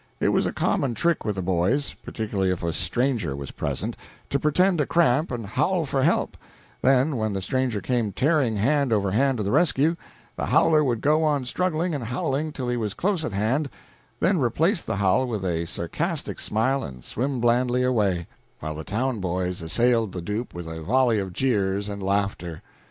It was a common trick with the boys particularly if a stranger was present to pretend a cramp and howl for help; then when the stranger came tearing hand over hand to the rescue, the howler would go on struggling and howling till he was close at hand, then replace the howl with a sarcastic smile and swim blandly away, while the town boys assailed the dupe with a volley of jeers and laughter.